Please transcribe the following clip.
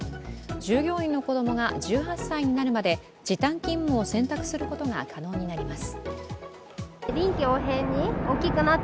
従業員の子供が１８歳になるまで時点勤務を選択することが可能になります。